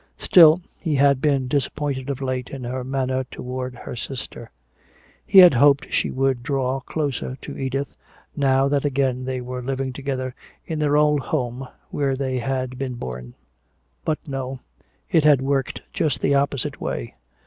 Still, he had been disappointed of late in her manner toward her sister. He had hoped she would draw closer to Edith, now that again they were living together in their old home where they had been born. But no, it had worked just the opposite way.